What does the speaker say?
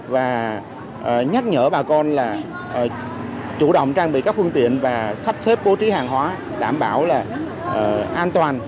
và nhắc nhở bà con là chủ động trang bị các phương tiện và sắp xếp bố trí hàng hóa đảm bảo là an toàn